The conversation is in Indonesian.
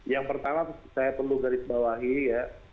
yang pertama saya perlu garis bawahi ya